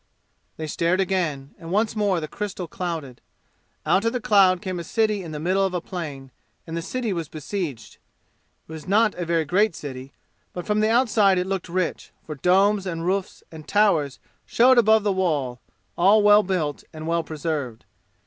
They stared again, and once more the crystal clouded. Out of the cloud came a city in the middle of a plain, and the city was besieged. It was not a very great city, but from the outside it looked rich, for domes and roofs and towers showed above the wall, all well built and well preserved.